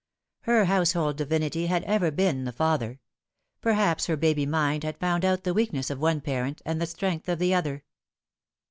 Her household divinity had ever been the father. Perhaps her baby mind had found out the weakness of one parent and the strength of the other.